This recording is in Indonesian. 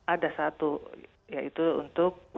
ada satu yaitu untuk